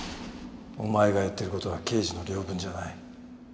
お前がやってる事は刑事の領分じゃない。